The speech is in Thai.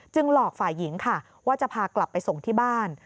หลอกฝ่ายหญิงค่ะว่าจะพากลับไปส่งที่บ้าน